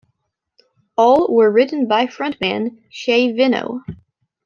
All were written by frontman Shay Veno.